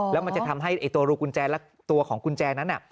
แล้วมันจะทำให้ตัวรูกุญแจและตัวของกุญแจนั้น